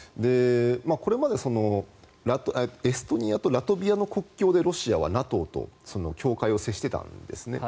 これまでエストニアとラトビアの国境でロシアはＮＡＴＯと境界を接していたんですね。